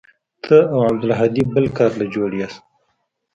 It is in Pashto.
ته او عبدالهادي بل کار له جوړ يې.